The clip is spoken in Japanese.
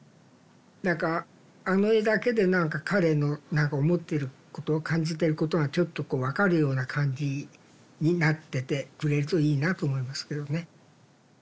何かあの絵だけで何か彼の思ってること感じてることがちょっとこうわかるような感じになっててくれるといいなと思いますけどね。